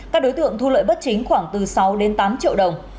các đối tượng thu lợi bất chính khoảng từ sáu đến tám triệu đồng